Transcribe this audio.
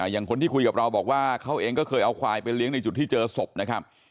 อย่างที่คุยกับเราบอกว่าเขาเองก็เคยเอาควายไปเลี้ยงในจุดที่เจอศพนะครับ